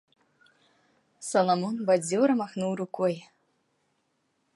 Саламон бадзёра махнуў рукой.